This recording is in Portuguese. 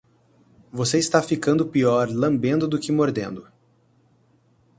Você está ficando pior lambendo do que mordendo.